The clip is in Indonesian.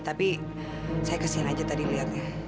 tapi saya kesian aja tadi liatnya